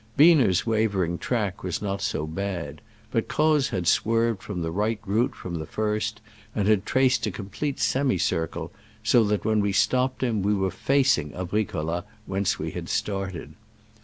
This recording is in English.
Biener's wavering track was not so bad, but Croz had swerved from the right route from the first, and had traced a complete semicircle, so that when we stopped him we were facing Abricolla, whence we had started.